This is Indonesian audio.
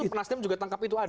nasdem juga tangkap itu ada